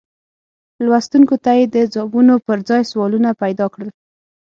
لوستونکو ته یې د ځوابونو پر ځای سوالونه پیدا کړل.